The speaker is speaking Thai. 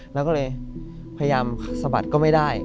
แล้วก็เลยพยายามสะบัดก็ไม่ได้